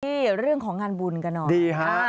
เฮ้เรื่องของงานบุญกันแล้ว